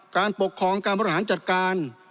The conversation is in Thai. การปกครองการบริหารจัดการ